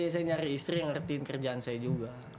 jadi saya nyari istri yang ngertiin kerjaan saya juga